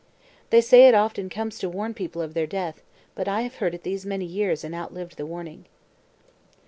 They say it often comes to warn people of their death, but I have heard it these many years, and outlived the warning."